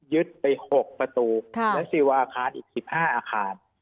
ยึดไปหกประตูแล้วสิวอาคารอีกสิบห้าอาคาร